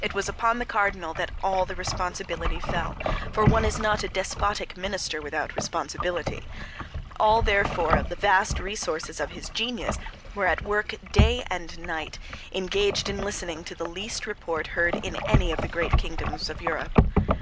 It was upon the cardinal that all the responsibility fell, for one is not a despotic minister without responsibility. All, therefore, of the vast resources of his genius were at work night and day, engaged in listening to the least report heard in any of the great kingdoms of Europe.